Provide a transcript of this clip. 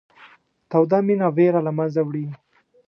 توده مینه وېره له منځه وړي.